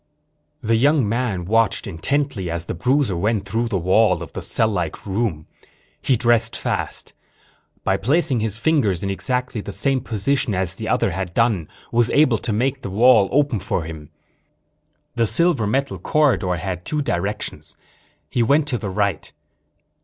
The young man watched intently as the bruiser went through the wall of the cell like room. He dressed fast. By placing his fingers in exactly the same position as the other had done, was able to make the wall open for him. The silver metal corridor had two directions. He went to the right.